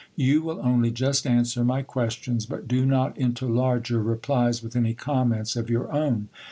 You will only just answer my questions ; but do not interlard your replies with any comments of your own.